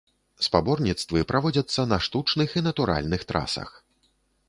Спаборніцтвы праводзяцца на штучных і натуральных трасах.